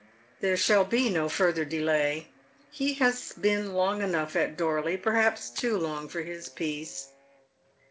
There shall be no further delay. He has been long enough at Dorley — per haps too long for his peace.